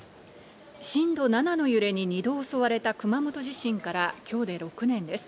震度７の揺れに２度襲われた熊本地震から今日で６年です。